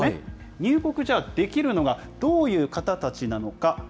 入国、じゃあできるのはどういう方たちなのか。